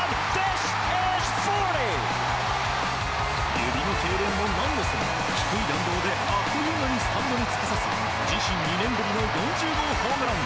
指のけいれんも何のその低い弾道であっという間にスタンドに突き刺す自身２年ぶりの４０号ホームラン。